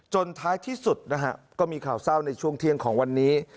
ท้ายที่สุดนะฮะก็มีข่าวเศร้าในช่วงเที่ยงของวันนี้